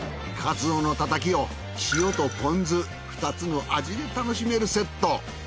鰹のたたきを塩とポン酢２つの味で楽しめるセット。